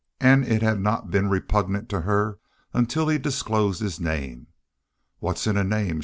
And it had not been repugnant to her until he disclosed his name. "What's in a name?"